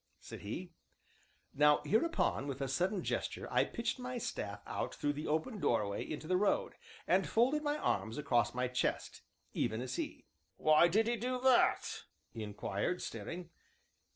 said he. Now hereupon, with a sudden gesture, I pitched my staff out through the open doorway into the road, and folded my arms across my chest, even as he. "Why did 'ee do that?" he inquired, staring.